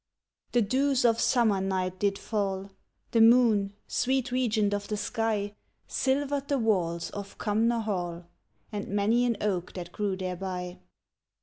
"] The dews of summer night did fall; The moon, sweet regent of the sky, Silvered the walls of Cumnor Hall, And many an oak that grew thereby.